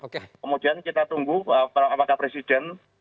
kemudian kita tunggu apakah presiden